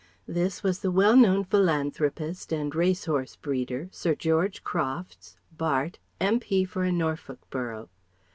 This was the well known philanthropist and race horse breeder, Sir George Crofts, Bart., M.P. for a Norfolk borough.